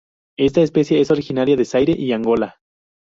Esta especie es originaria de Zaire y Angola.